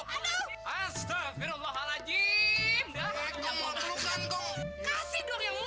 gak sengaja gak sengaja kurang ajar lo